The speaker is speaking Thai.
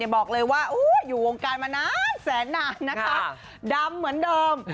บอกเลยว่าอยู่วงการมานานแสนนานนะคะดำเหมือนเดิม